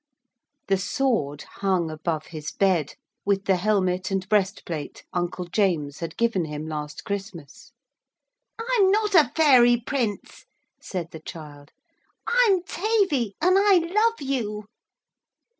The sword hung above his bed, with the helmet and breast plate Uncle James had given him last Christmas. 'I'm not a fairy Prince,' said the child. 'I'm Tavy and I love you.'